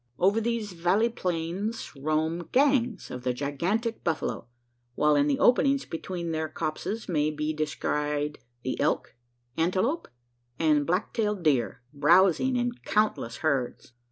Over these valley plains roam "gangs" of the gigantic buffalo; while in the openings between their copses may be descried the elk, antelope, and black tailed deer, browsing in countless herds.